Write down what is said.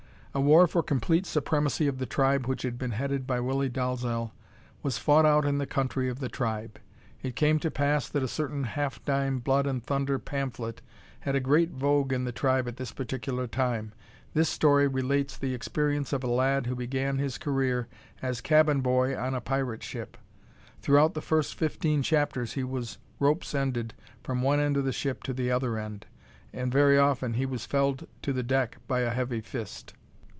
A war for complete supremacy of the tribe which had been headed by Willie Dalzel was fought out in the country of the tribe. It came to pass that a certain half dime blood and thunder pamphlet had a great vogue in the tribe at this particular time. This story relates the experience of a lad who began his career as cabin boy on a pirate ship. Throughout the first fifteen chapters he was rope's ended from one end of the ship to the other end, and very often he was felled to the deck by a heavy fist.